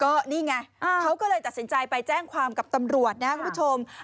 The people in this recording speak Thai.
ก็นี่ไงเขาก็เลยตัดสินใจไปแจ้งความกับตำรวจนะครับคุณผู้ชม